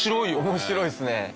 面白いですね。